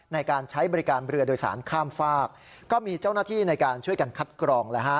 ในการใช้บริการเรือโดยสารข้ามฝากก็มีเจ้าหน้าที่ในการช่วยกันคัดกรองเลยฮะ